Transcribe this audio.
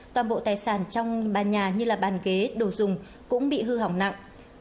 toàn bộ tài sản trong bàn nhà như bàn ghế đồ dùng cũng bị hư hỏng nặng